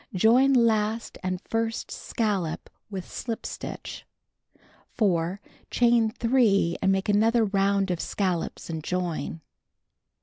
Join last and first scallop with slip stitch. 4. Chain 3 and make another round of scallops and join.